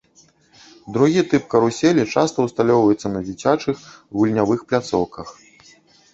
Другі тып каруселі часта ўсталёўваецца на дзіцячых гульнявых пляцоўках.